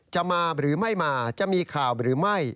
จะมาหรือไม่มาจะมีข่าวหรือไม่